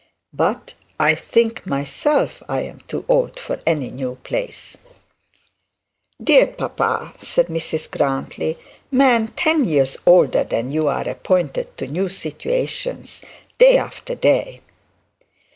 'But I think myself I am too old for any new place.' 'Dear papa,' said Mrs Grantly, 'men ten years older than you have been appointed to new situations day after day.'